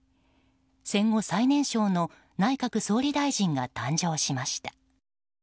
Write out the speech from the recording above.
戦後最年少の内閣総理大臣が誕生しました。